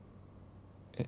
えっ？